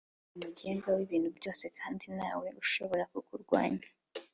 uri umugenga w’ibintu byose kandi nta we ushobora kukurwanya,